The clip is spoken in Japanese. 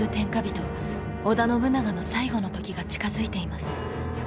織田信長の最期の時が近づいています。